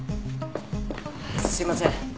すいません